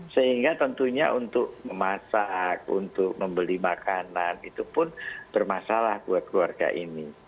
sehingga tentunya untuk memasak untuk membeli makanan itu pun bermasalah buat keluarga ini